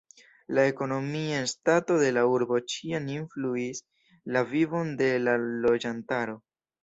La ekonomia stato de la urbo ĉiam influis la vivon de la loĝantaro.